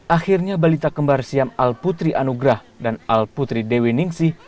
akhirnya balita kembar siam al putri anugrah dan al putri dewi ningsi